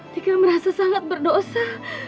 dika merasa sangat berdosa